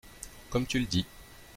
Comme tu le dis.